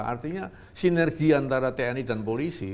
artinya sinergi antara tni dan polisi